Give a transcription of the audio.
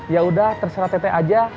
yaudah terserah teh teh aja